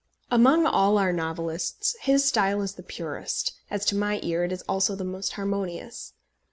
Among all our novelists his style is the purest, as to my ear it is also the most harmonious.